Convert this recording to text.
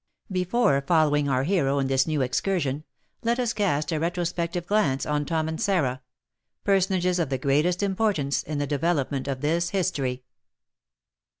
Before following our hero in this new excursion, let us cast a retrospective glance on Tom and Sarah, personages of the greatest importance in the development of this history.